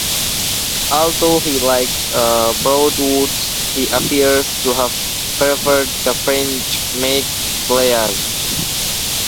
Although he liked Broadwoods, he appears to have preferred the French make Pleyel.